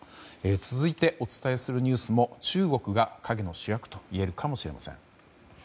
続いてお伝えするニュースも中国が陰の主役といえるかもしれません。